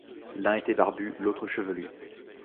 L’un était barbu, l’autre chevelu.